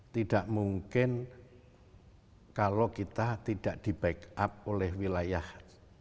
tidak mungkin kalau kita tidak di back up oleh wilayah luar yogyakarta